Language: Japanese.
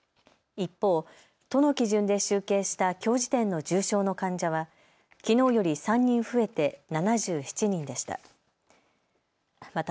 一方、都の基準で集計したきょう時点の重症の患者はきのうより３人増えて７７人でした。